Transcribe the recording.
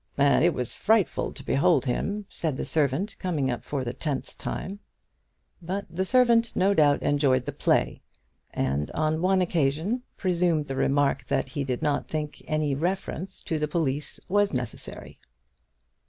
"And it was frightful to behold him," said the servant, coming up for the tenth time. But the servant no doubt enjoyed the play, and on one occasion presumed to remark that he did not think any reference to the police was necessary.